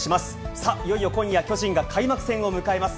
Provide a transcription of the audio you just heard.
さあ、いよいよ今夜、巨人が開幕戦を迎えます。